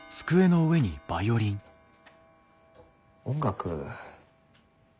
音楽。